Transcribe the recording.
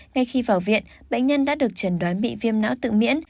ngay khi vào viện bệnh nhân đã được trần đoán bị viêm não tự miễn